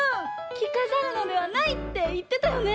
「きかざるのではない」っていってたよね。